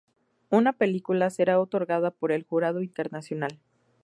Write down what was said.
Una película será otorgada por el jurado internacional.